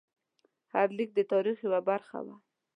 هر لیک د تاریخ یوه برخه وه.